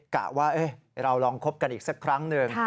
กะว่าเราลองคบกันอีกสักครั้งหนึ่ง